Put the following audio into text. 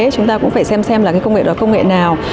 chúng ta cũng phải xem xem là cái công nghệ đó công nghệ nào